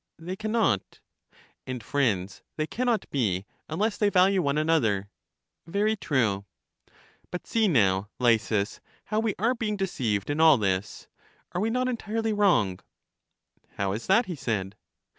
They can not. And friends they can not be, unless they value one another? Very true. But see now. Lysis, how we are being deceived in all this; are we not entirely wrong? How is that? he said.